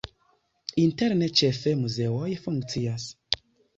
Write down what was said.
Interne ĉefe muzeoj funkcias.